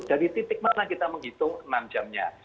dari titik mana kita menghitung enam jamnya